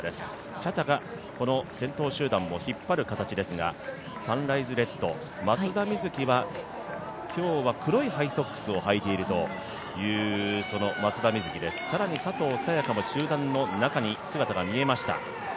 チャチャがこの先頭集団を引っ張る形ですがサンライズレッド松田瑞生は今日は黒いハイソックスをはいているという松田瑞生です、更に佐藤早也伽も集団の中に姿が見えました。